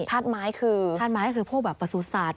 ธาตุไม้คือพวกประสุทธิ์ศาสตร์